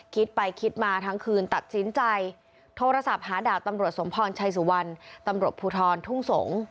คิดไปคิดมาทั้งคืนตัดสินใจโทรศัพท์หาดาบตำรวจสมพรชัยสุวรรณตำรวจภูทรทุ่งสงศ์